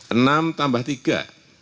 enam tambah tiga